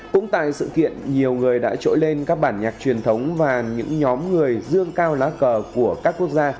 cũng tại sự kiện nhiều người đã trỗi lên các bản nhạc truyền thống và những nhóm người dương cao lá cờ của các quốc gia